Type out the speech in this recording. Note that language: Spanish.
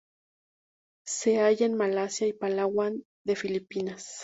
Se halla en Malasia y Palawan de Filipinas.